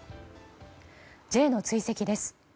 Ｊの追跡です。